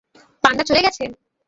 পান্ডা চলে গেছে?